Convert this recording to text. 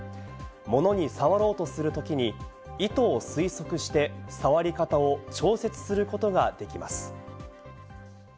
物に触ろうとするときに意図を推測して、触り方を調節することができます。